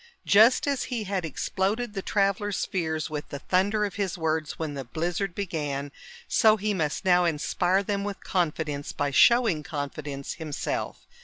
Just as he had exploded the travelers' fears with the thunder of his words when the blizzard began, so he must now inspire them with confidence by showing confidence himself.